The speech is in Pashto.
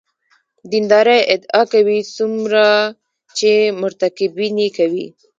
دیندارۍ ادعا کوي څومره چې مرتکبین یې کوي.